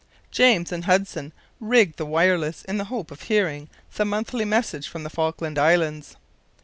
James and Hudson rigged the wireless in the hope of hearing the monthly message from the Falkland Islands.